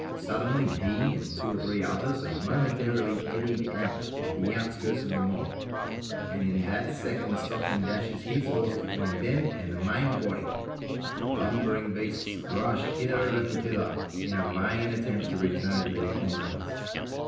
Suddenly he and two or three others are momentarily eddied out to the outskirts of the mob, and in that second the stockman dashes his horse between them and the main body. The lumbering beasts rush hither and thither in a vain attempt to return to their comrades.